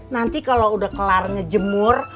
nanti kalau udah kelar ngejemur